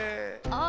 あ！